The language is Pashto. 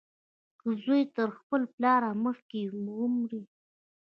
که زوى تر خپل پلار مخکې ومري.